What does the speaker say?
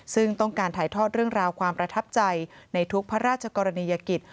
ซึ่งต้องการถ่ายทอดเรื่องราวความประทับใจในทุกพระราชกรณียกิจ